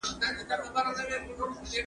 بزګر خپله مځکه په پوره مینه سره کري.